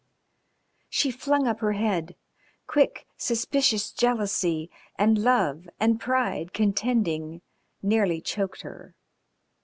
She flung up her head. Quick, suspicious jealousy and love and pride contending nearly choked her.